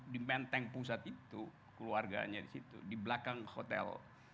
di menteng pusat itu keluarganya di situ di belakang hotel